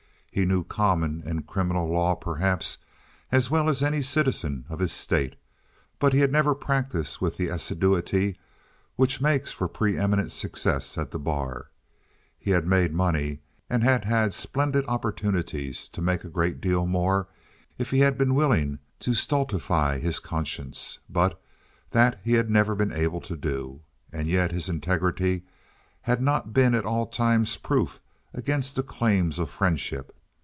He knew common and criminal law, perhaps, as well as any citizen of his State, but he had never practised with that assiduity which makes for pre eminent success at the bar. He had made money, and had had splendid opportunities to make a great deal more if he had been willing to stultify his conscience, but that he had never been able to do. And yet his integrity had not been at all times proof against the claims of friendship.